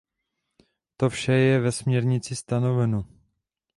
To vše je ve směrnici stanoveno.